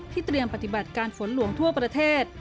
เตรียมปฏิบัติการฝนหลวงทั่วประเทศ